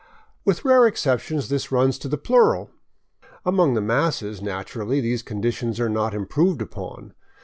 With rare exceptions this runs to the plural. Among the masses, naturally, these conditions are not im proved upon.